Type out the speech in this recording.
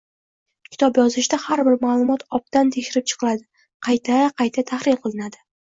Kitob yozishda har bir ma’lumot obdan tekshirib chiqiladi, qayta-qayta tahrir qilinadi